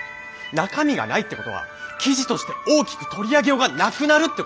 中身がないってことは記事として大きく取り上げようがなくなるってことです！